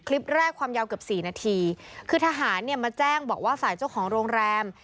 คลิปแรกความยาวเกือบสี่นาทีคือทหารเนี่ยมาแจ้งบอกว่าฝ่ายเจ้าของโรงแรม